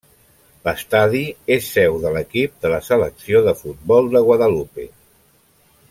L'estadi és seu de l'equip de la selecció de futbol de Guadalupe.